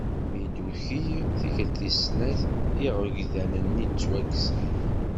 Mi d-tuki i tikelt tis snat iɣegdan-nni ttwaksen.